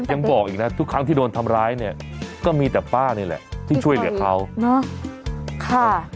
ยังบอกอีกนะทุกครั้งที่โดนทำร้ายเนี่ยก็มีแต่ป้านี่แหละที่ช่วยเหลือเขาเนาะ